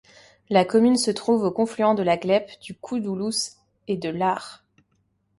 La commune se trouve au confluent de la Glèpe, du Coudoulous et de l'Arre.